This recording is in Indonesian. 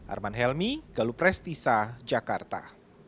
arman helmy gelup resti sa jakarta